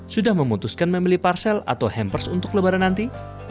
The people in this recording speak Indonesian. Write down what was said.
sudah memutuskan membeli parcel atau hampers untuk lebaran nanti